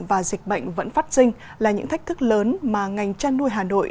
và dịch bệnh vẫn phát sinh là những thách thức lớn mà ngành chăn nuôi hà nội